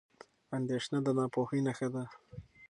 اندېښنه د ناپوهۍ نښه ده.